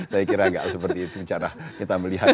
saya kira nggak seperti itu cara kita melihat